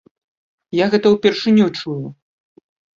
Я гэта ўпершыню чую.